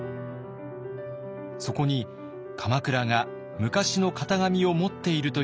そこに鎌倉が昔の型紙を持っているという話が入ります。